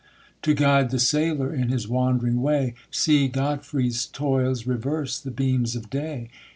To guide the sailor in his wand'ring way, ee Godfrey's toils reverse the beams of day.